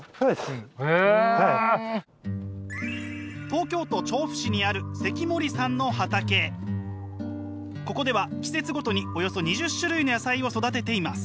東京都調布市にあるここでは季節ごとにおよそ２０種類の野菜を育てています。